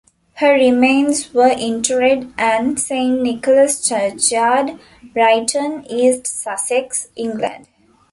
Her remains were interred at Saint Nicholas' churchyard, Brighton, East Sussex, England.